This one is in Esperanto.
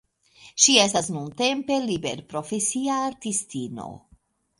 Ŝi estas nuntempe liberprofesia artistino.